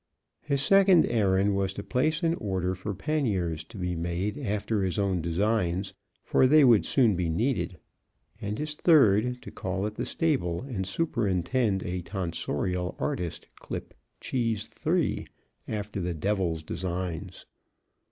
His second errand was to place an order for panniers to be made after his own designs, for they would soon be needed; and his third, to call at the stable and superintend a tonsorial artist clip Cheese III after the devil's designs.